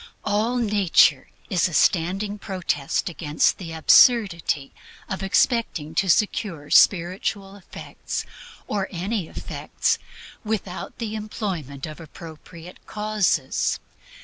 All nature is a standing protest against the absurdity of expecting to secure spiritual effects, or any effects, without the employment of appropriate causes.